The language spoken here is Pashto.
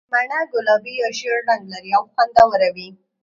مڼه ګلابي یا ژېړ رنګ لري او خوندوره وي.